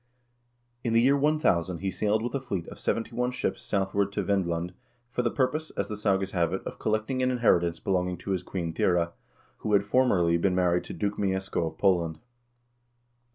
In the year 1000 he sailed with a fleet of seventy one ships southward to Vend land for the purpose, as the sagas have it, of collecting an inheritance belonging to his queen, Thyre, who had formerly been married to Duke Miesco of Poland.